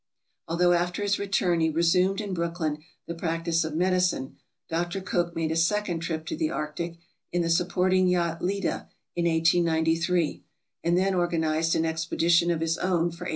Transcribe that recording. Although after his return he resumed in Brooklyn the practice of medicine, Dr. Cook made a second trip to the arctic, in the supporting yacht "Leta, " in 1893, and then organized an expedition of his own for 1894.